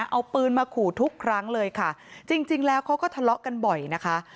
เอาปืนมาขู่ทุกครั้งเลยค่ะจริงจริงแล้วเขาก็ทะเลาะกันบ่อยนะคะ